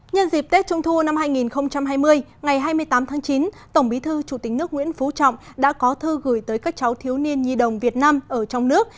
nhân dịp tết trung thu năm hai nghìn hai mươi ngày hai mươi tám tháng chín tổng bí thư chủ tịch nước nguyễn phú trọng đã có thư gửi tới các cháu thiếu niên nhi đồng việt nam ở trong nước